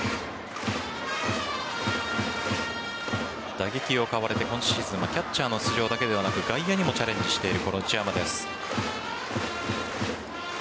打撃を買われて今シーズンはキャッチャーの出場だけでなく外野にもチャレンジしている内山です。